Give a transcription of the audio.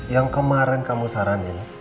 yang kemarin kamu saranin